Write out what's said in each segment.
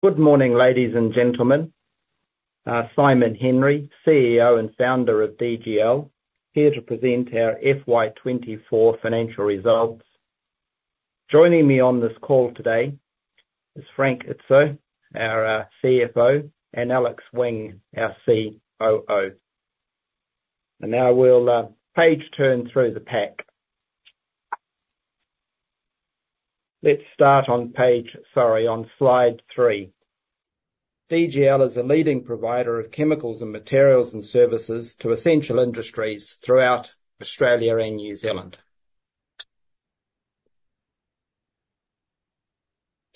Good morning, ladies and gentlemen. Simon Henry, CEO and founder of DGL, here to present our FY twenty-four financial results. Joining me on this call today is Frank Ierace, our CFO, and Alec Wing, our COO. And now we'll page turn through the pack. Let's start on page, sorry, on slide three. DGL is a leading provider of chemicals and materials and services to essential industries throughout Australia and New Zealand.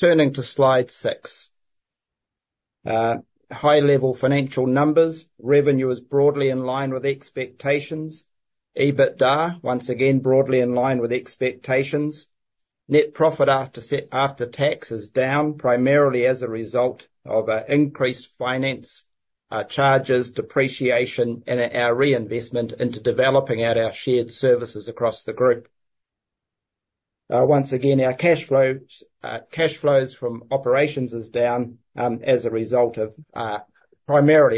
Turning to slide six. High-level financial numbers. Revenue is broadly in line with expectations. EBITDA, once again, broadly in line with expectations. Net profit after tax is down, primarily as a result of increased finance charges, depreciation, and our reinvestment into developing out our shared services across the group. Once again, our cash flows from operations is down, primarily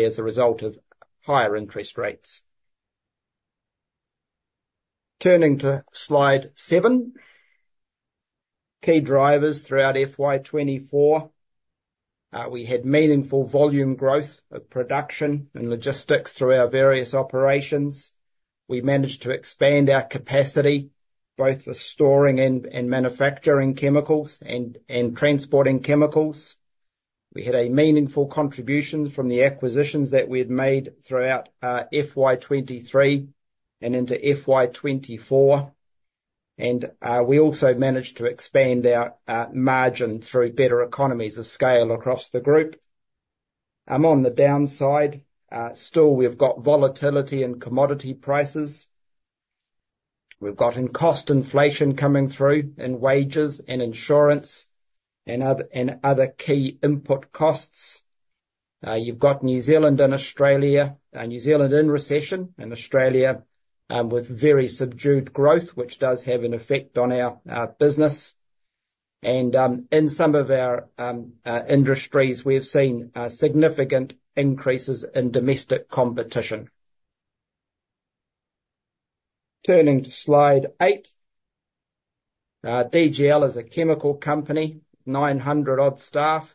as a result of higher interest rates. Turning to slide seven, key drivers throughout FY twenty-four. We had meaningful volume growth of production and logistics through our various operations. We managed to expand our capacity, both with storing and manufacturing chemicals and transporting chemicals. We had a meaningful contribution from the acquisitions that we had made throughout FY twenty-three and into FY twenty-four. We also managed to expand our margin through better economies of scale across the group. On the downside, still, we've got volatility in commodity prices. We've got cost inflation coming through in wages and insurance and other key input costs. You've got New Zealand and Australia, New Zealand in recession, and Australia with very subdued growth, which does have an effect on our business. In some of our industries, we've seen significant increases in domestic competition. Turning to slide 8. DGL is a chemical company, 900-odd staff.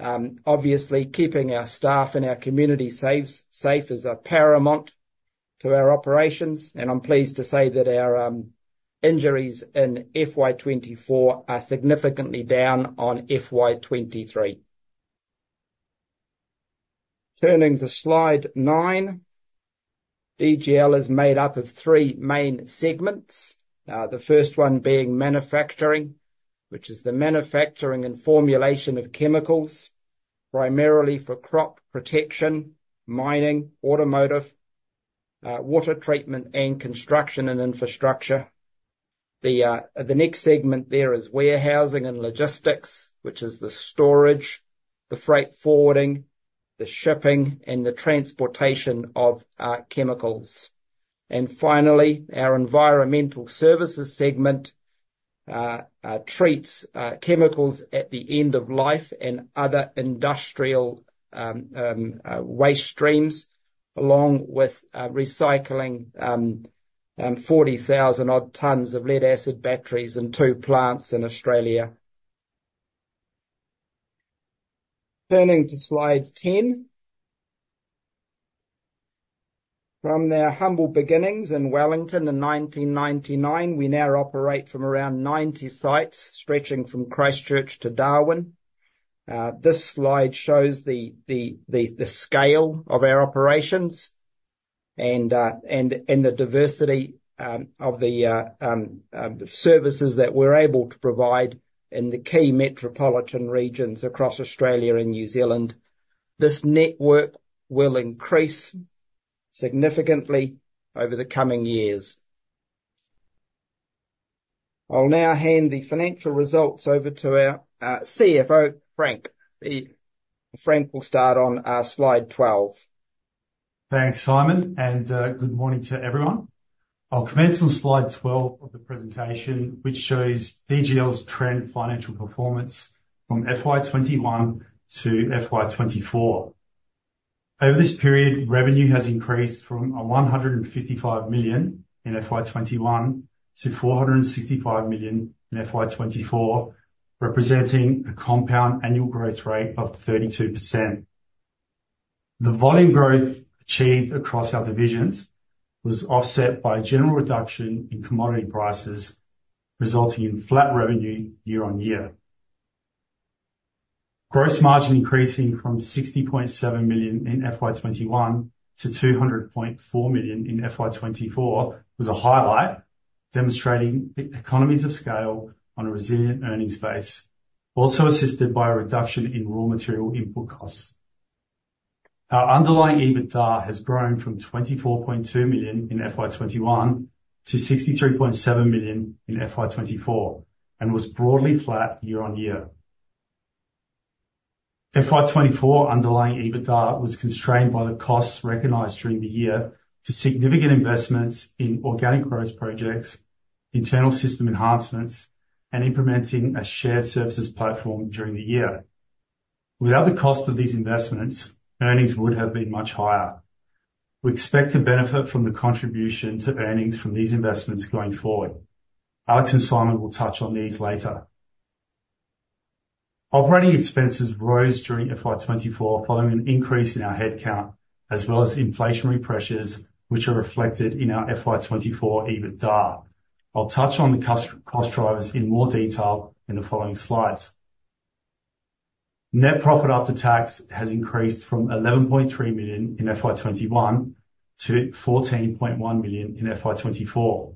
Obviously keeping our staff and our community safe is paramount to our operations, and I'm pleased to say that our injuries in FY 2024 are significantly down on FY 2023. Turning to slide 9. DGL is made up of three main segments. The first one being manufacturing, which is the manufacturing and formulation of chemicals, primarily for crop protection, mining, automotive, water treatment, and construction and infrastructure. The next segment there is warehousing and logistics, which is the storage, the freight forwarding, the shipping, and the transportation of chemicals. And finally, our environmental services segment treats chemicals at the end of life and other industrial waste streams, along with recycling 40,000-odd tons of lead-acid batteries in two plants in Australia. Turning to Slide 10. From their humble beginnings in Wellington in 1999, we now operate from around 90 sites, stretching from Christchurch to Darwin. This slide shows the scale of our operations and the diversity of the services that we're able to provide in the key metropolitan regions across Australia and New Zealand. This network will increase significantly over the coming years. I'll now hand the financial results over to CFO, Frank. Frank will start on slide 12. Thanks, Simon, and good morning to everyone. I'll commence on slide 12 of the presentation, which shows DGL's trend financial performance from FY 2021 to FY 2024. Over this period, revenue has increased from 155 million in FY 2021 to 465 million in FY 2024, representing a compound annual growth rate of 32%. The volume growth achieved across our divisions was offset by a general reduction in commodity prices, resulting in flat revenue year on year. Gross margin increasing from 60.7 million in FY 2021 to 200.4 million in FY 2024 was a highlight, demonstrating economies of scale on a resilient earnings base, also assisted by a reduction in raw material input costs. Our underlying EBITDA has grown from 24.2 million in FY 2021 to 63.7 million in FY 2024, and was broadly flat year on year. FY 2024 underlying EBITDA was constrained by the costs recognized during the year for significant investments in organic growth projects, internal system enhancements, and implementing a shared services platform during the year. Without the cost of these investments, earnings would have been much higher. We expect to benefit from the contribution to earnings from these investments going forward. Alec and Simon will touch on these later. Operating expenses rose during FY 2024, following an increase in our headcount, as well as inflationary pressures, which are reflected in our FY 2024 EBITDA. I'll touch on the cost drivers in more detail in the following slides. Net profit after tax has increased from 11.3 million in FY 2021 to 14.1 million in FY 2024.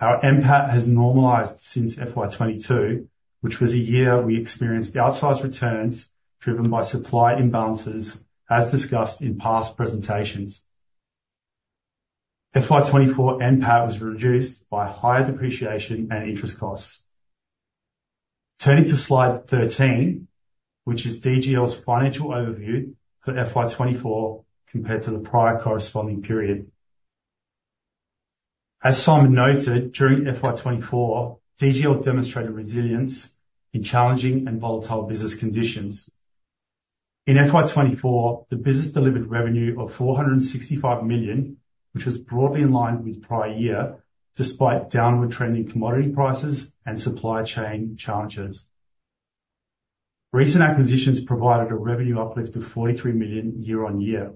Our NPAT has normalized since FY 2022, which was a year we experienced outsized returns driven by supply imbalances, as discussed in past presentations. FY 2024 NPAT was reduced by higher depreciation and interest costs. Turning to Slide 13, which is DGL's financial overview for FY 2024, compared to the prior corresponding period. As Simon noted, during FY 2024, DGL demonstrated resilience in challenging and volatile business conditions. In FY 2024, the business delivered revenue of 465 million, which was broadly in line with prior year, despite downward trending commodity prices and supply chain challenges. Recent acquisitions provided a revenue uplift of 43 million year-on-year.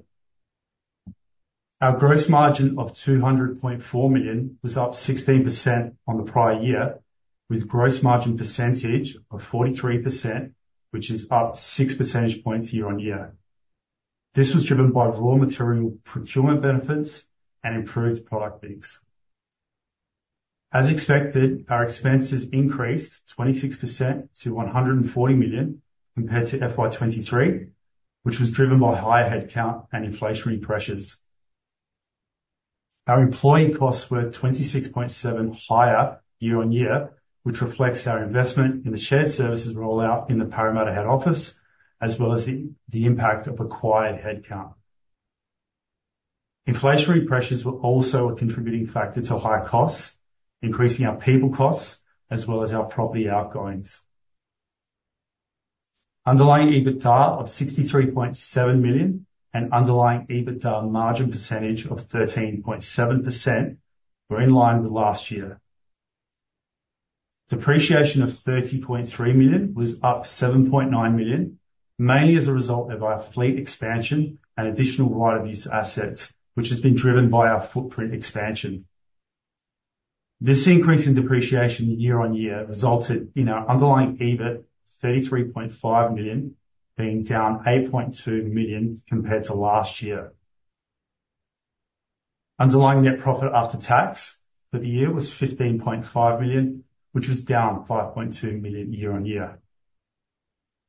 Our gross margin of 200.4 million was up 16% on the prior year, with gross margin percentage of 43%, which is up six percentage points year-on-year. This was driven by raw material procurement benefits and improved product mix. As expected, our expenses increased 26% to 140 million compared to FY 2023, which was driven by higher headcount and inflationary pressures. Our employee costs were 26.7 higher year-on-year, which reflects our investment in the shared services rollout in the Parramatta head office, as well as the impact of acquired headcount. Inflationary pressures were also a contributing factor to higher costs, increasing our people costs as well as our property outgoings. Underlying EBITDA of 63.7 million and underlying EBITDA margin percentage of 13.7% were in line with last year. Depreciation of 30.3 million was up 7.9 million, mainly as a result of our fleet expansion and additional right-of-use assets, which has been driven by our footprint expansion. This increase in depreciation year-on-year resulted in our underlying EBIT, 33.5 million, being down 8.2 million compared to last year. Underlying net profit after tax for the year was 15.5 million, which was down 5.2 million year-on-year.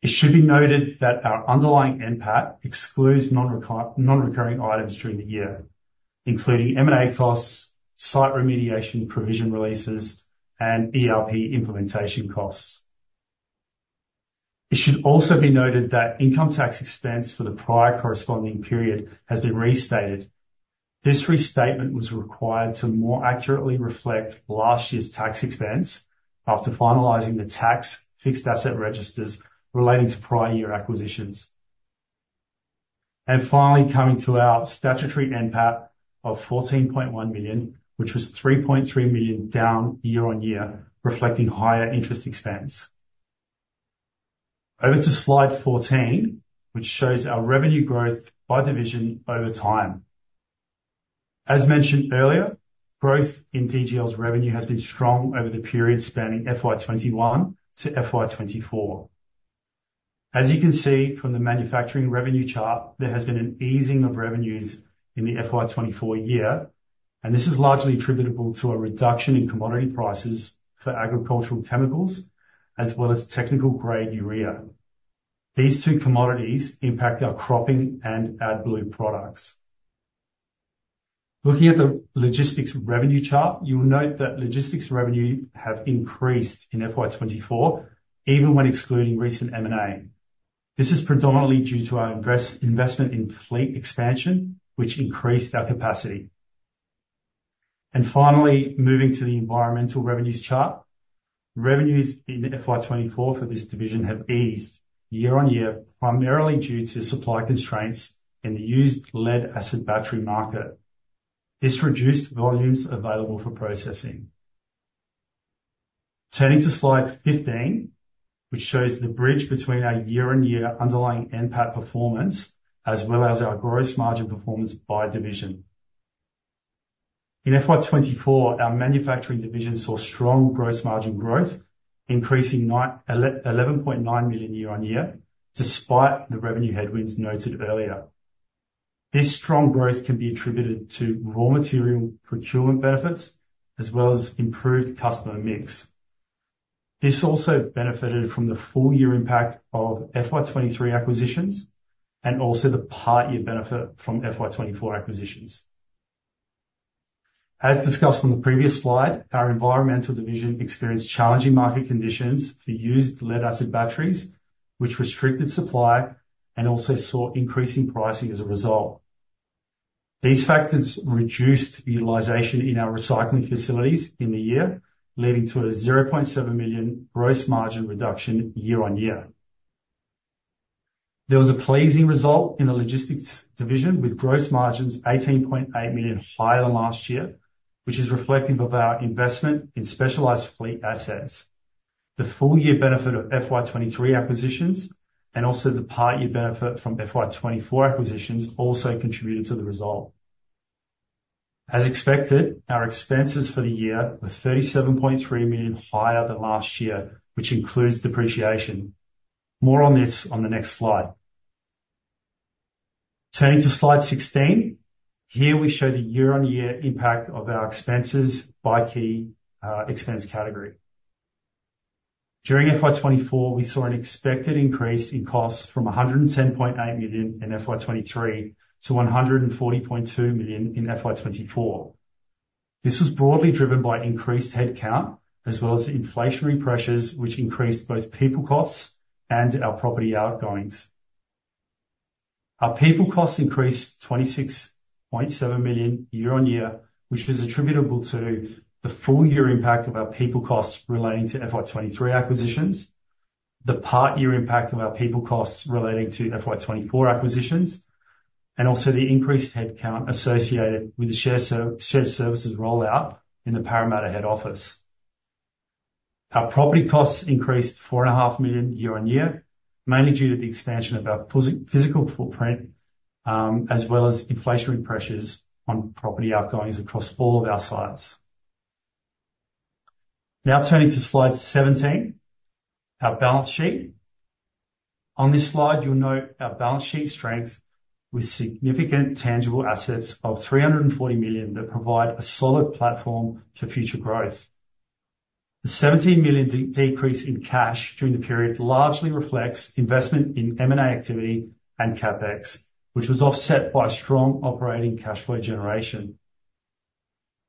It should be noted that our underlying NPAT excludes non-recurring items during the year, including M&A costs, site remediation, provision releases, and ERP implementation costs. It should also be noted that income tax expense for the prior corresponding period has been restated. This restatement was required to more accurately reflect last year's tax expense after finalizing the tax fixed asset registers relating to prior year acquisitions. Finally, coming to our statutory NPAT of 14.1 million, which was 3.3 million down year-on-year, reflecting higher interest expense. Over to Slide 14, which shows our revenue growth by division over time. As mentioned earlier, growth in DGL's revenue has been strong over the period spanning FY 2021 to FY 2024. As you can see from the manufacturing revenue chart, there has been an easing of revenues in the FY 2024 year, and this is largely attributable to a reduction in commodity prices for agricultural chemicals as well as technical grade urea. These two commodities impact our cropping and AdBlue products. Looking at the logistics revenue chart, you will note that logistics revenue have increased in FY 2024, even when excluding recent M&A. This is predominantly due to our investment in fleet expansion, which increased our capacity. Finally, moving to the environmental revenues chart. Revenues in FY twenty-four for this division have eased year-on-year, primarily due to supply constraints in the used lead-acid battery market. This reduced volumes available for processing. Turning to Slide 15, which shows the bridge between our year-on-year underlying NPAT performance, as well as our gross margin performance by division. In FY twenty-four, our manufacturing division saw strong gross margin growth increasing 11.9 million year-on-year, despite the revenue headwinds noted earlier. This strong growth can be attributed to raw material procurement benefits, as well as improved customer mix. This also benefited from the full year impact of FY twenty-three acquisitions, and also the part year benefit from FY twenty-four acquisitions. As discussed on the previous slide, our environmental division experienced challenging market conditions for used lead-acid batteries, which restricted supply and also saw increasing pricing as a result. These factors reduced utilization in our recycling facilities in the year, leading to a 0.7 million gross margin reduction year-on-year. There was a pleasing result in the logistics division, with gross margins 18.8 million higher than last year, which is reflective of our investment in specialized fleet assets. The full year benefit of FY23 acquisitions, and also the part year benefit from FY24 acquisitions, also contributed to the result. As expected, our expenses for the year were 37.3 million higher than last year, which includes depreciation. More on this on the next slide. Turning to slide 16. Here, we show the year-on-year impact of our expenses by key expense category. During FY24, we saw an expected increase in costs from 110.8 million in FY23 to 140.2 million in FY24. This was broadly driven by increased headcount, as well as inflationary pressures, which increased both people costs and our property outgoings. Our people costs increased 26.7 million year-on-year, which was attributable to the full year impact of our people costs relating to FY23 acquisitions, the part year impact of our people costs relating to FY24 acquisitions, and also the increased headcount associated with the shared services rollout in the Parramatta head office. Our property costs increased 4.5 million year-on-year, mainly due to the expansion of our physical footprint, as well as inflationary pressures on property outgoings across all of our sites. Now turning to slide 17, our balance sheet. On this slide, you'll note our balance sheet strength with significant tangible assets of 340 million that provide a solid platform for future growth. The 17 million decrease in cash during the period largely reflects investment in M&A activity and CapEx, which was offset by strong operating cash flow generation.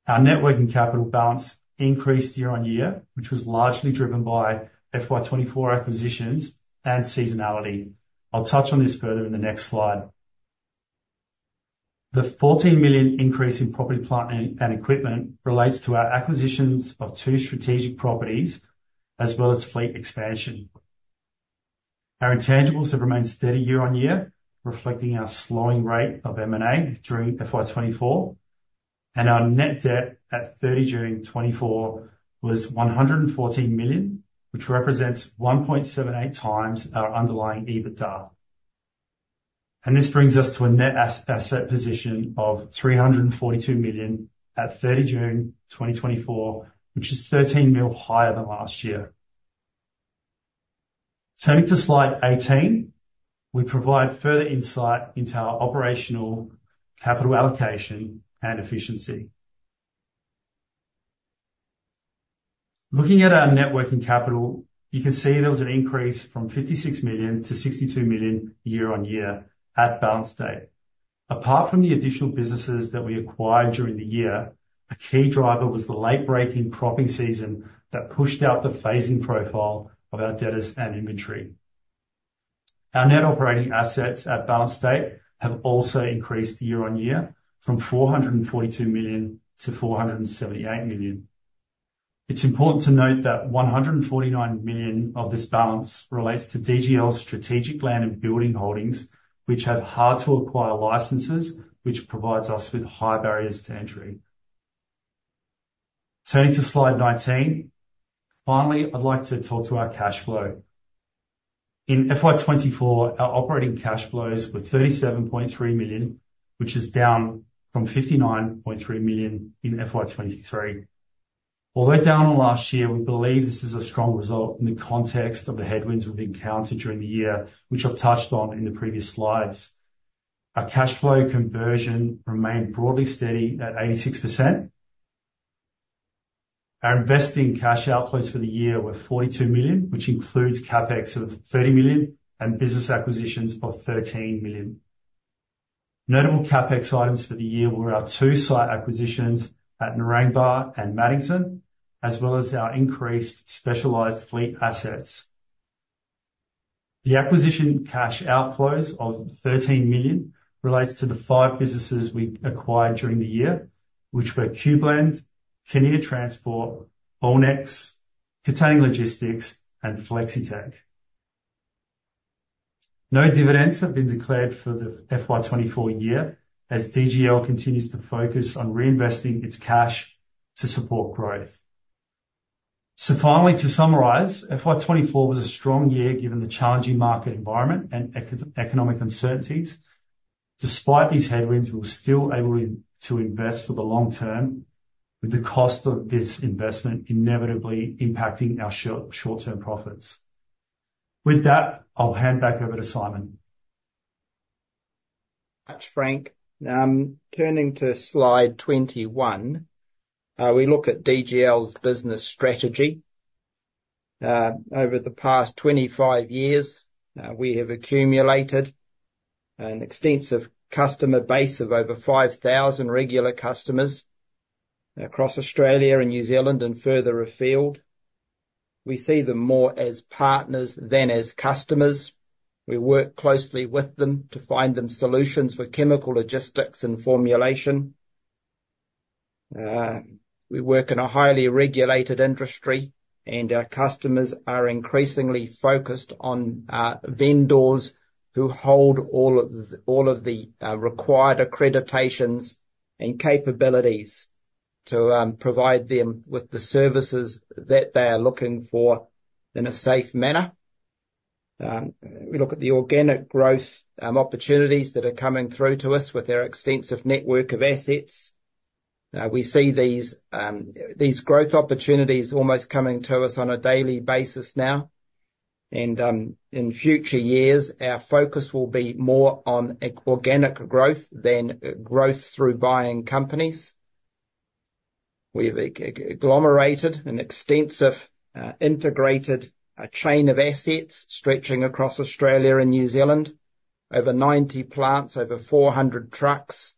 Our net working capital balance increased year-on-year, which was largely driven by FY 2024 acquisitions and seasonality. I'll touch on this further in the next slide. The 14 million increase in property, plant, and equipment relates to our acquisitions of two strategic properties, as well as fleet expansion. Our intangibles have remained steady year-on-year, reflecting our slowing rate of M&A during FY 2024, and our net debt at 30 June 2024 was 114 million, which represents 1.78 times our underlying EBITDA. This brings us to a net asset position of 342 million at 30 June 2024, which is 13 million higher than last year. Turning to Slide 18, we provide further insight into our operational capital allocation and efficiency. Looking at our net working capital, you can see there was an increase from 56 million to 62 million year-on-year at balance date. Apart from the additional businesses that we acquired during the year, a key driver was the late breaking cropping season that pushed out the phasing profile of our debtors and inventory. Our net operating assets at balance date have also increased year-on-year from 442 million to 478 million. It's important to note that 149 million of this balance relates to DGL's strategic land and building holdings, which have hard-to-acquire licenses, which provides us with high barriers to entry. Turning to Slide 19. Finally, I'd like to talk to our cash flow. In FY twenty-four, our operating cash flows were 37.3 million, which is down from 59.3 million in FY twenty-three. Although down on last year, we believe this is a strong result in the context of the headwinds we've encountered during the year, which I've touched on in the previous slides. Our cash flow conversion remained broadly steady at 86%. Our investing cash outflows for the year were 42 million, which includes CapEx of 30 million and business acquisitions of 13 million. Notable CapEx items for the year were our two site acquisitions at Narangba and Maddington, as well as our increased specialized fleet assets. The acquisition cash outflows of 13 million relates to the five businesses we acquired during the year, which were QBL, Kinnear Transport, Bonex, Container Logistics, and Flexitank. No dividends have been declared for the FY 2024 year, as DGL continues to focus on reinvesting its cash to support growth. Finally, to summarize, FY 2024 was a strong year given the challenging market environment and economic uncertainties. Despite these headwinds, we were still able to invest for the long term, with the cost of this investment inevitably impacting our short-term profits. With that, I'll hand back over to Simon.... Thanks, Frank. Turning to slide 21, we look at DGL's business strategy. Over the past 25 years, we have accumulated an extensive customer base of over 5,000 regular customers across Australia and New Zealand and further afield... We see them more as partners than as customers. We work closely with them to find them solutions for chemical, logistics, and formulation. We work in a highly regulated industry, and our customers are increasingly focused on vendors who hold all of the required accreditations and capabilities to provide them with the services that they are looking for in a safe manner. We look at the organic growth opportunities that are coming through to us with our extensive network of assets. We see these growth opportunities almost coming to us on a daily basis now. In future years, our focus will be more on organic growth than growth through buying companies. We've agglomerated an extensive, integrated, chain of assets stretching across Australia and New Zealand. Over 90 plants, over 400 trucks.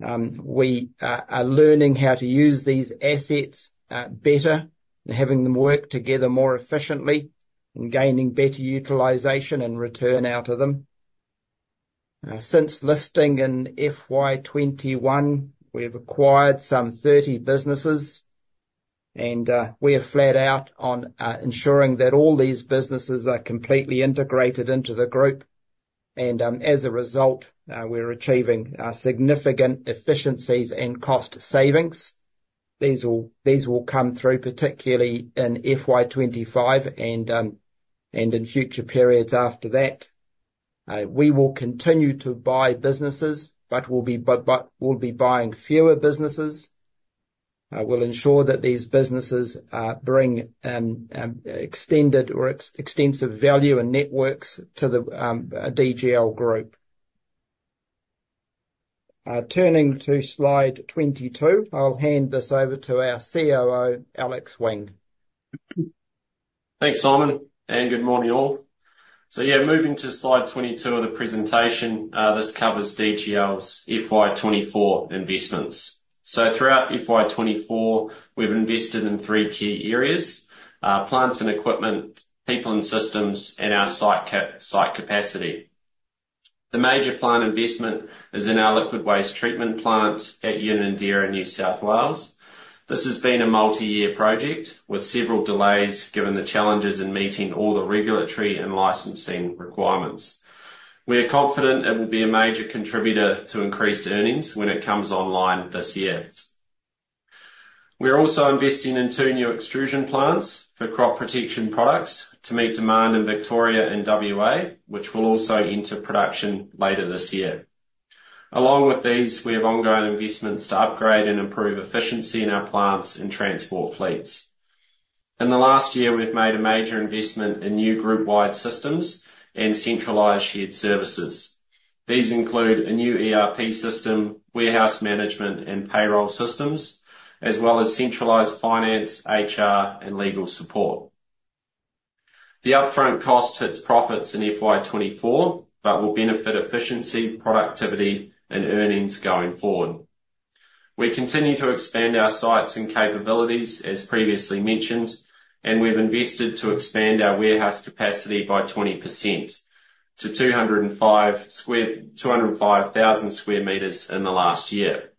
We are learning how to use these assets better and having them work together more efficiently, and gaining better utilization and return out of them. Since listing in FY 2021, we've acquired some 30 businesses, and we are flat out on ensuring that all these businesses are completely integrated into the group. As a result, we're achieving significant efficiencies and cost savings. These will come through, particularly in FY 2025 and in future periods after that. We will continue to buy businesses, but we'll be buying fewer businesses. We'll ensure that these businesses bring extensive value and networks to the DGL group. Turning to slide 22. I'll hand this over to our COO, Alec Wing. Thanks, Simon, and good morning, all. So yeah, moving to slide 22 of the presentation. This covers DGL's FY 2024 investments. So throughout FY 2024, we've invested in three key areas: plants and equipment, people and systems, and our site capacity. The major plant investment is in our liquid waste treatment plant at Unanderra in New South Wales. This has been a multi-year project with several delays, given the challenges in meeting all the regulatory and licensing requirements. We are confident it will be a major contributor to increased earnings when it comes online this year. We are also investing in two new extrusion plants for crop protection products to meet demand in Victoria and WA, which will also enter production later this year. Along with these, we have ongoing investments to upgrade and improve efficiency in our plants and transport fleets. In the last year, we've made a major investment in new group-wide systems and centralized shared services. These include a new ERP system, warehouse management, and payroll systems, as well as centralized finance, HR, and legal support. The upfront cost hits profits in FY24, but will benefit efficiency, productivity, and earnings going forward. We continue to expand our sites and capabilities, as previously mentioned, and we've invested to expand our warehouse capacity by 20% to 205,000 sq m in the last year.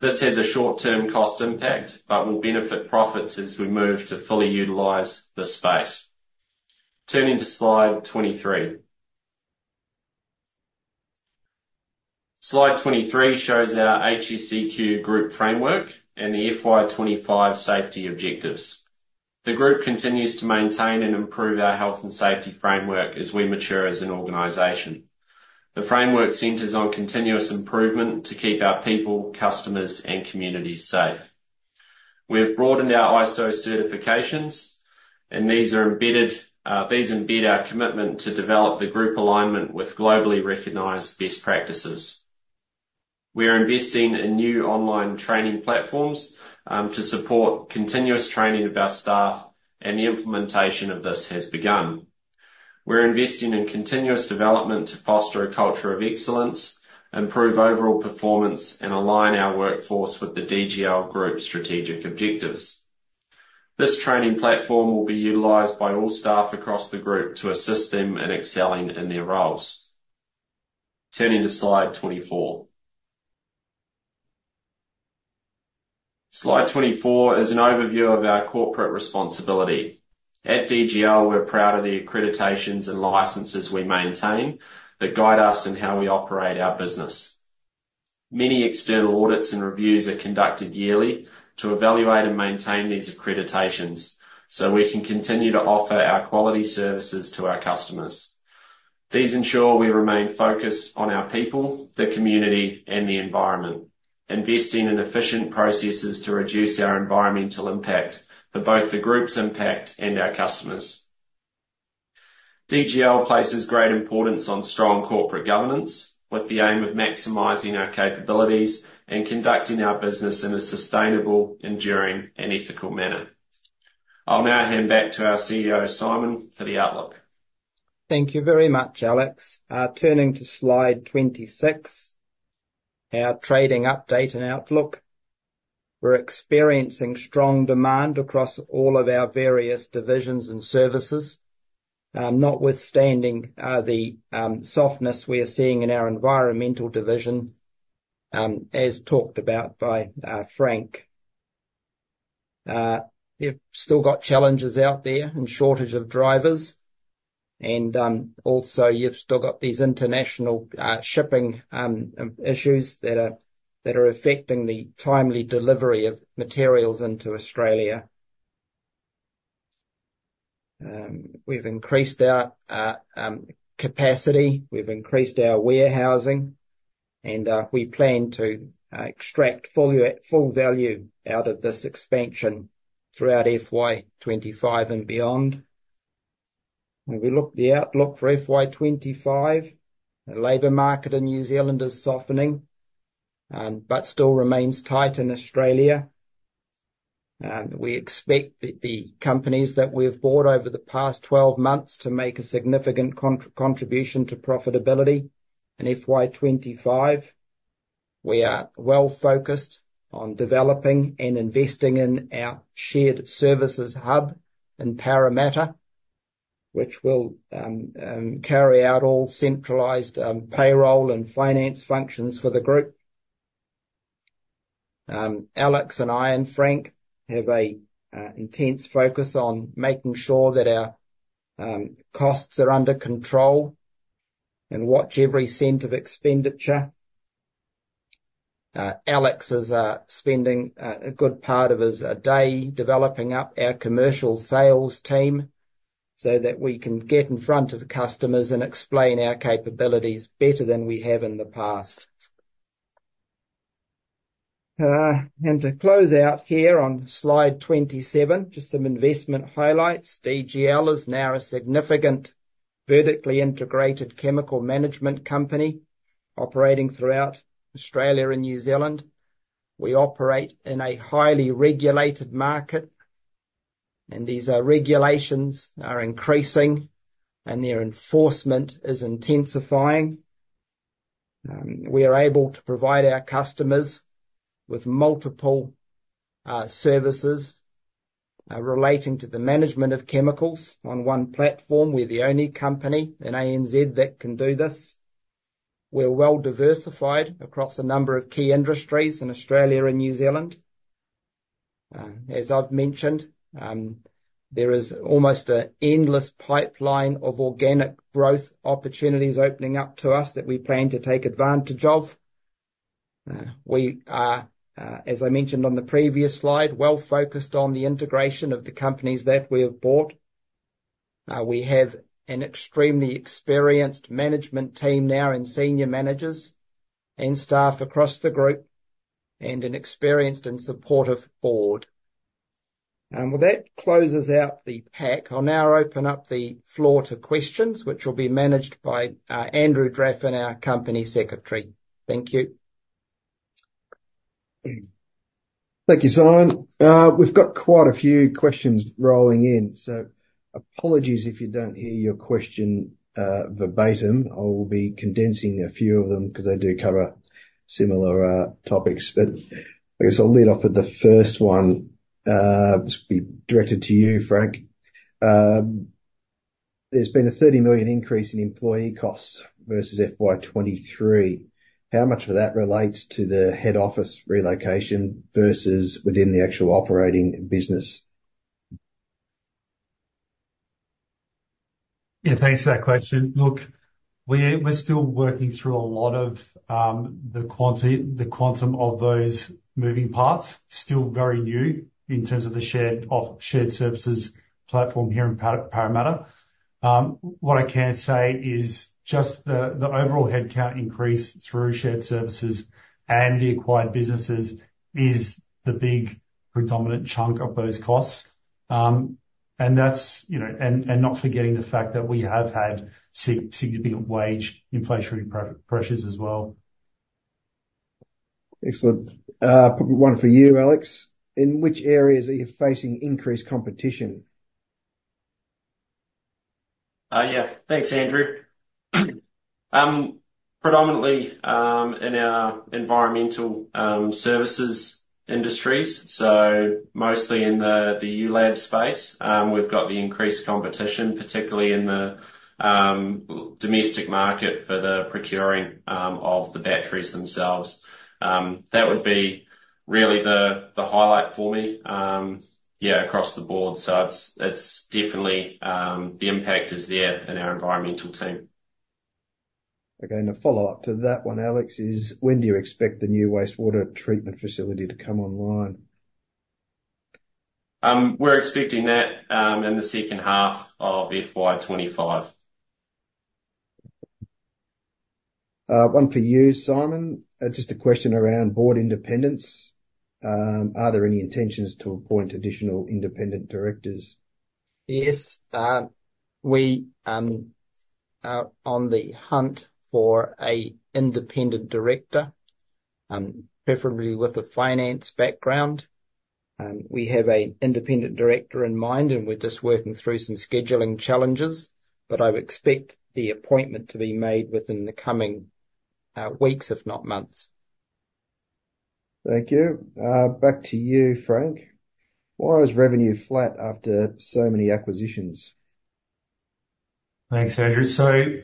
This has a short-term cost impact, but will benefit profits as we move to fully utilize the space. Turning to slide 23. Slide 23 shows our HSEQ group framework and the FY25 safety objectives. The group continues to maintain and improve our health and safety framework as we mature as an organization. The framework centers on continuous improvement to keep our people, customers, and communities safe. We have broadened our ISO certifications, and these are embedded, these embed our commitment to develop the group alignment with globally recognized best practices. We are investing in new online training platforms, to support continuous training of our staff, and the implementation of this has begun. We're investing in continuous development to foster a culture of excellence, improve overall performance, and align our workforce with the DGL Group strategic objectives. This training platform will be utilized by all staff across the group to assist them in excelling in their roles. Turning to slide twenty-four. Slide twenty-four is an overview of our corporate responsibility. At DGL, we're proud of the accreditations and licenses we maintain, that guide us in how we operate our business. Many external audits and reviews are conducted yearly to evaluate and maintain these accreditations, so we can continue to offer our quality services to our customers. These ensure we remain focused on our people, the community, and the environment, investing in efficient processes to reduce our environmental impact for both the group's impact and our customers. DGL places great importance on strong corporate governance, with the aim of maximizing our capabilities and conducting our business in a sustainable, enduring, and ethical manner. I'll now hand back to our CEO, Simon, for the outlook. Thank you very much, Alec. Turning to slide 26. Our trading update and outlook. We're experiencing strong demand across all of our various divisions and services, notwithstanding the softness we are seeing in our environmental division, as talked about by Frank. You've still got challenges out there and shortage of drivers, and also, you've still got these international shipping issues that are affecting the timely delivery of materials into Australia. We've increased our capacity, we've increased our warehousing, and we plan to extract full value out of this expansion throughout FY 2025 and beyond. When we look the outlook for FY 2025, the labor market in New Zealand is softening, but still remains tight in Australia. We expect the companies that we've bought over the past 12 months to make a significant contribution to profitability in FY25. We are well focused on developing and investing in our shared services hub in Parramatta, which will carry out all centralized payroll and finance functions for the group. Alec, and I, and Frank have a intense focus on making sure that our costs are under control, and watch every cent of expenditure. Alec is spending a good part of his day developing up our commercial sales team, so that we can get in front of the customers and explain our capabilities better than we have in the past. And to close out here on slide 27, just some investment highlights. DGL is now a significant, vertically integrated chemical management company operating throughout Australia and New Zealand. We operate in a highly regulated market, and these regulations are increasing, and their enforcement is intensifying. We are able to provide our customers with multiple services relating to the management of chemicals on one platform. We're the only company in ANZ that can do this. We're well diversified across a number of key industries in Australia and New Zealand. As I've mentioned, there is almost an endless pipeline of organic growth opportunities opening up to us that we plan to take advantage of. We are, as I mentioned on the previous slide, well focused on the integration of the companies that we have bought. We have an extremely experienced management team now, and senior managers, and staff across the group, and an experienced and supportive board. That closes out the pack. I'll now open up the floor to questions, which will be managed by Andrew Draffin, our company secretary. Thank you. Thank you, Simon. We've got quite a few questions rolling in, so apologies if you don't hear your question verbatim. I will be condensing a few of them, 'cause they do cover similar topics. But I guess I'll lead off with the first one, this will be directed to you, Frank. There's been an 30 million increase in employee costs versus FY 2023. How much of that relates to the head office relocation versus within the actual operating business? Yeah, thanks for that question. Look, we're still working through a lot of the quantum of those moving parts. Still very new in terms of the shared services platform here in Parramatta.What I can say is just the overall headcount increase through shared services and the acquired businesses is the big predominant chunk of those costs, and that's, you know, and not forgetting the fact that we have had significant wage inflationary pressures as well. Excellent. One for you, Alec. In which areas are you facing increased competition? Yeah. Thanks, Andrew. Predominantly in our environmental services industries, so mostly in the ULAB space. We've got the increased competition, particularly in the domestic market for the procuring of the batteries themselves. That would be really the highlight for me, yeah, across the board, so it's definitely the impact is there in our environmental team. Okay, and a follow-up to that one, Alec, is: When do you expect the new wastewater treatment facility to come online? We're expecting that in the second half of FY25. One for you, Simon. Just a question around board independence. Are there any intentions to appoint additional independent directors? Yes. We are on the hunt for an independent director, preferably with a finance background. We have an independent director in mind, and we're just working through some scheduling challenges, but I would expect the appointment to be made within the coming weeks, if not months. Thank you. Back to you, Frank. Why was revenue flat after so many acquisitions? Thanks, Andrew. So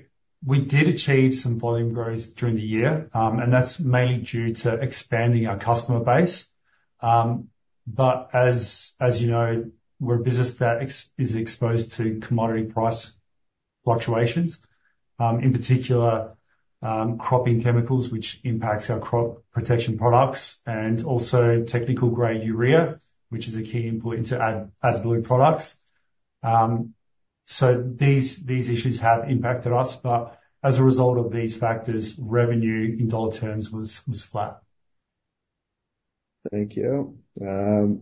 we did achieve some volume growth during the year, and that's mainly due to expanding our customer base. But as you know, we're a business that is exposed to commodity price fluctuations, in particular, cropping chemicals, which impacts our crop protection products, and also technical-grade urea, which is a key input into agricultural products. So these issues have impacted us, but as a result of these factors, revenue in dollar terms was flat. Thank you.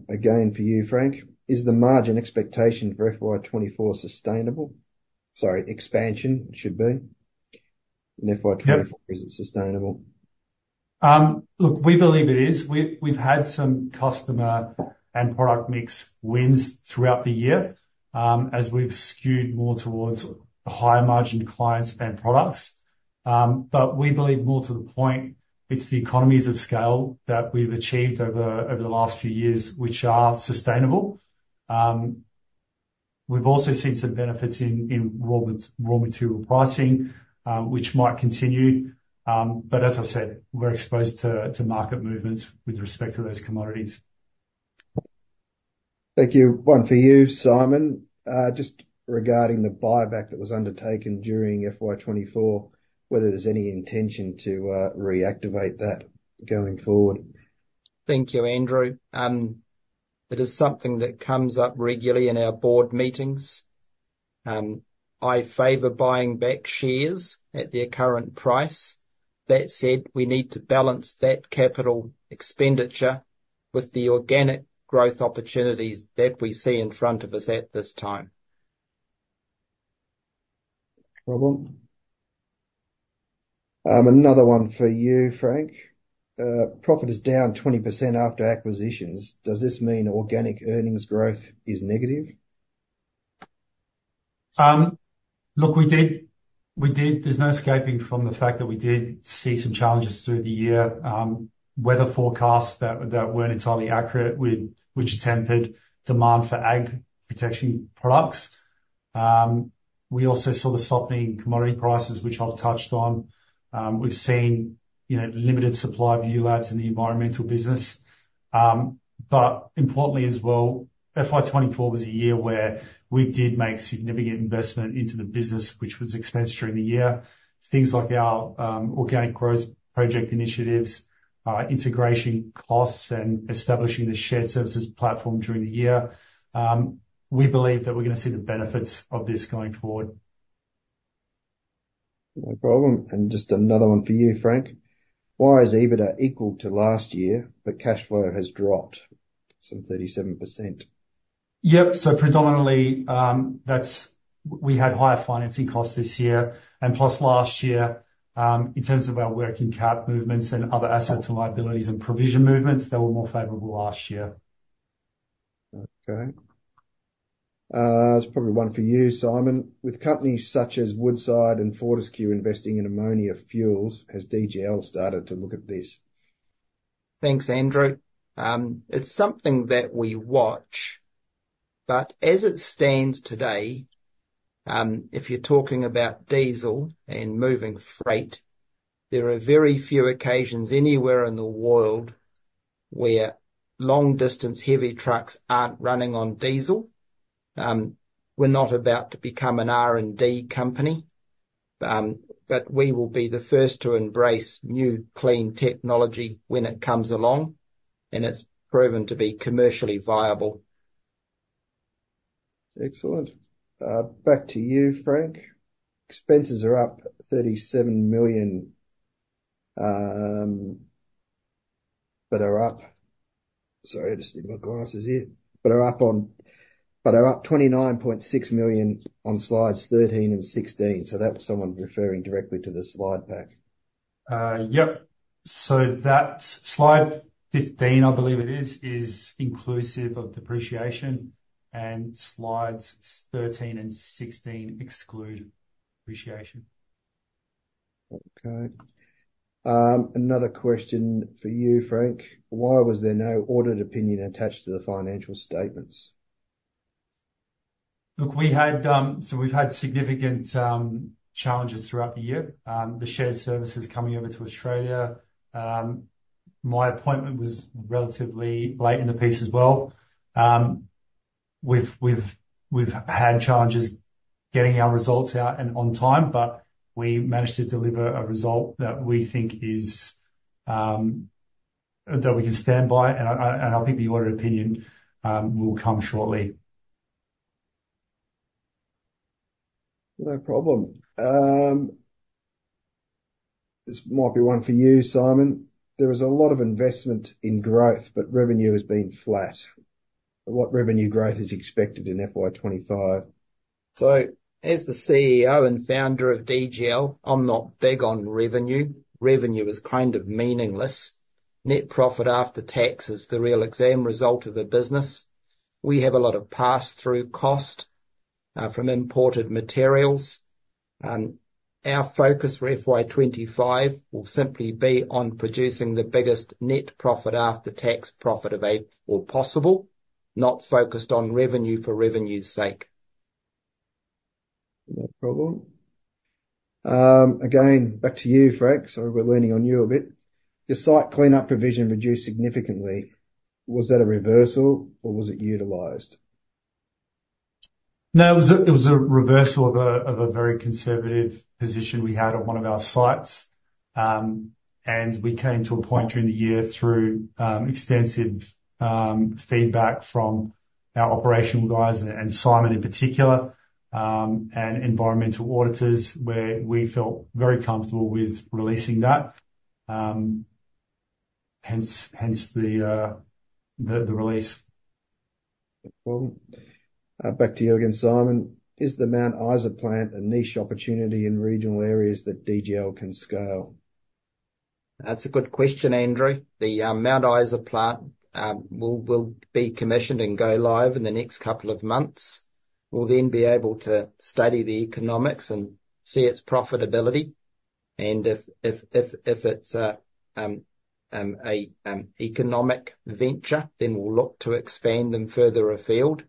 Again, for you, Frank, is the margin expectation for FY twenty-four sustainable? Sorry, expansion, it should be, in FY twenty-four- Yep. Is it sustainable? Look, we believe it is. We've had some customer and product mix wins throughout the year, as we've skewed more towards the higher margin clients and products. But we believe more to the point, it's the economies of scale that we've achieved over the last few years, which are sustainable. We've also seen some benefits in raw material pricing, which might continue. But as I said, we're exposed to market movements with respect to those commodities. Thank you. One for you, Simon. Just regarding the buyback that was undertaken during FY 2024, whether there's any intention to reactivate that going forward? Thank you, Andrew. It is something that comes up regularly in our board meetings. I favor buying back shares at their current price. That said, we need to balance that capital expenditure with the organic growth opportunities that we see in front of us at this time. No problem. Another one for you, Frank. Profit is down 20% after acquisitions. Does this mean organic earnings growth is negative? Look, there's no escaping from the fact that we did see some challenges through the year. Weather forecasts that weren't entirely accurate, which tempered demand for ag protection products. We also saw the softening commodity prices, which I've touched on. We've seen, you know, limited supply of ULABs in the environmental business. But importantly as well, FY 2024 was a year where we did make significant investment into the business, which was expensed during the year. Things like our organic growth project initiatives, integration costs, and establishing the shared services platform during the year. We believe that we're gonna see the benefits of this going forward. No problem. And just another one for you, Frank. Why is EBITDA equal to last year, but cash flow has dropped some 37%? Yep. So predominantly, that's we had higher financing costs this year, and plus last year, in terms of our working cap movements and other assets and liabilities and provision movements, they were more favorable last year. Okay. It's probably one for you, Simon. With companies such as Woodside and Fortescue investing in ammonia fuels, has DGL started to look at this? Thanks, Andrew. It's something that we watch, but as it stands today, if you're talking about diesel and moving freight, there are very few occasions anywhere in the world where long-distance heavy trucks aren't running on diesel. We're not about to becomean R&D company, but we will be the first to embrace new, clean technology when it comes along and it's proven to be commercially viable. Excellent. Back to you, Frank. Expenses are up 37 million, but are up. Sorry, I just need my glasses here. But are up 29.6 million on slides 13 and 16. So that was someone referring directly to the slide pack. Yep, so that's slide fifteen, I believe it is, is inclusive of depreciation, and slides thirteen and sixteen exclude depreciation. Okay. Another question for you, Frank: Why was there no audit opinion attached to the financial statements? Look, we had, so we've had significant challenges throughout the year. The shared services coming over to Australia. My appointment was relatively late in the piece as well. We've had challenges getting our results out and on time, but we managed to deliver a result that we think is that we can stand by, and I think the audit opinion will come shortly. No problem. This might be one for you, Simon. There was a lot of investment in growth, but revenue has been flat. What revenue growth is expected in FY twenty-five?... So as the CEO and founder of DGL, I'm not big on revenue. Revenue is kind of meaningless. Net profit after tax is the real exam result of a business. We have a lot of pass-through cost from imported materials. Our focus for FY twenty-five will simply be on producing the biggest net profit after tax profit available or possible, not focused on revenue for revenue's sake. No problem. Again, back to you, Frank. Sorry, we're leaning on you a bit. Your site cleanup provision reduced significantly. Was that a reversal or was it utilized? No, it was a reversal of a very conservative position we had at one of our sites, and we came to a point during the year through extensive feedback from our operational guys, and Simon in particular, and environmental auditors, where we felt very comfortable with releasing that. Hence the release. No problem. Back to you again, Simon. Is the Mount Isa plant a niche opportunity in regional areas that DGL can scale? That's a good question, Andrew. The Mount Isa plant will be commissioned and go live in the next couple of months. We'll then be able to study the economics and see its profitability, and if it's a economic venture, then we'll look to expand them further afield.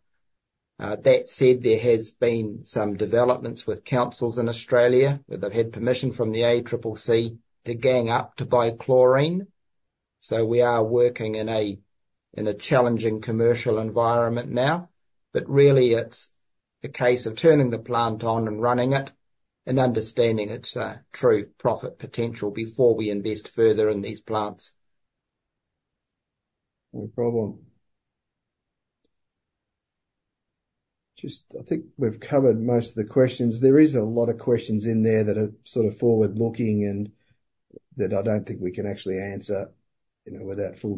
That said, there has been some developments with councils in Australia, where they've had permission from the ACCC to gang up to buy chlorine. So we are working in a challenging commercial environment now, but really it's a case of turning the plant on and running it, and understanding its true profit potential before we invest further in these plants. No problem. Just, I think we've covered most of the questions. There is a lot of questions in there that are sort of forward-looking and that I don't think we can actually answer, you know, without full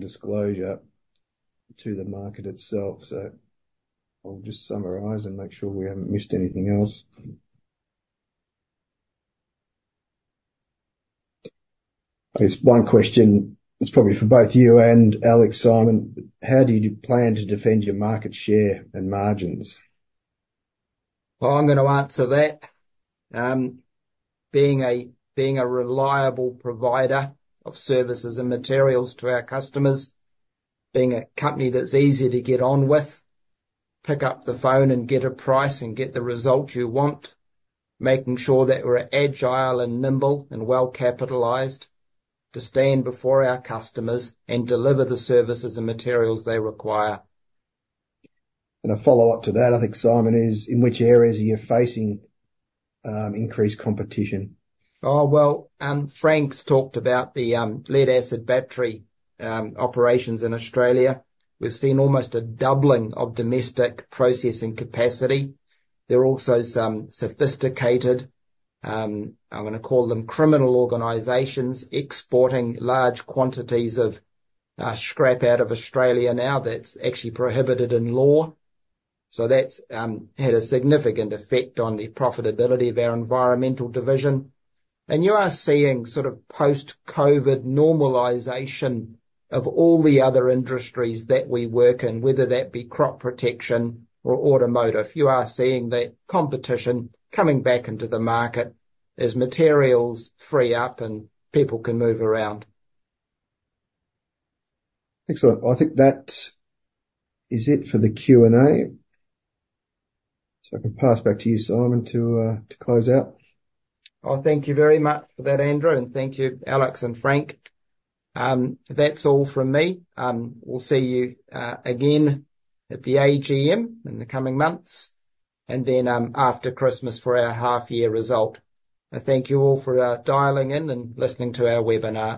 disclosure to the market itself. So I'll just summarize and make sure we haven't missed anything else. There's one question that's probably for both you and Alec, Simon: How do you plan to defend your market share and margins? I'm gonna answer that. Being a reliable provider of services and materials to our customers, being a company that's easy to get on with, pick up the phone and get a price, and get the results you want. Making sure that we're agile and nimble and well-capitalized to stand before our customers and deliver the services and materials they require. And a follow-up to that, I think, Simon, is: In which areas are you facing increased competition? Oh, well, Frank's talked about the lead-acid battery operations in Australia. We've seen almost a doubling of domestic processing capacity. There are also some sophisticated, I'm gonna call them criminal organizations, exporting large quantities of scrap out of Australia now. That's actually prohibited in law. So that's had a significant effect on the profitability of our environmental division. And you are seeing sort of post-COVID normalization of all the other industries that we work in, whether that be crop protection or automotive. You are seeing that competition coming back into the market as materials free up and people can move around. Excellent. I think that is it for the Q&A. So I can pass back to you, Simon, to, to close out. Oh, thank you very much for that, Andrew, and thank you, Alec and Frank. If that's all from me, we'll see you again at the AGM in the coming months, and then, after Christmas for our half-year result. I thank you all for dialing in and listening to our webinar.